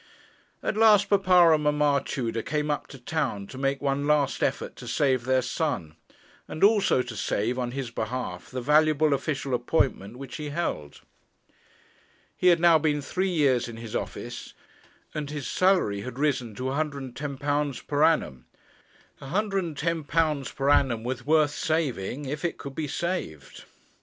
At last papa and mamma Tudor came up to town to make one last effort to save their son; and also to save, on his behalf, the valuable official appointment which he held. He had now been three years in his office, and his salary had risen to £110 per annum. £110 per annum was worth saving if it could be saved.